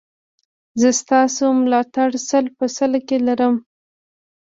زه ستاسو ملاتړ سل په سلو کې لرم